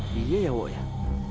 dia ya wak